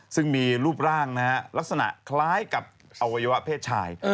ซึ่งมีรูปร่างลักษณะคล้ายกับอวัยวะเพศชาย